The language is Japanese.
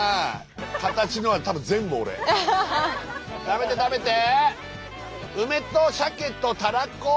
食べて食べて！